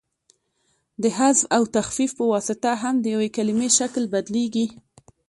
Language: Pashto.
د حذف او تخفیف په واسطه هم د یوې کلیمې شکل بدلیږي.